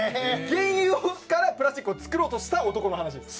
原油からプラスチックを作ろうとした男の話です。